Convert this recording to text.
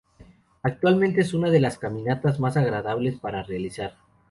Actualmente es una de las caminatas más agradables para realizar.